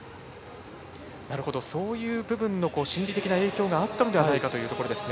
なるほど、そういう部分の心理的な影響があったのではないかというところですね。